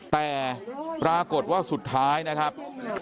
แต่ปรากฏว่าสุดท้ายนะครับ